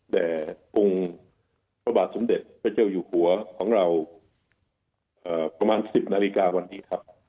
แต่ปรบาทสำเด็จก็จะอยู่หัวของเราประมาณ๑๐นาฬิกาวันนี้ครับ